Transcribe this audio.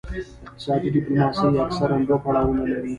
اقتصادي ډیپلوماسي اکثراً دوه پړاوونه لري